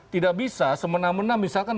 tidak bisa semena mena misalkan